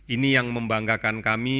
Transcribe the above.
ini yang membanggakan kami